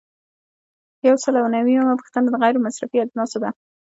یو سل او نوي یمه پوښتنه د غیر مصرفي اجناسو ده.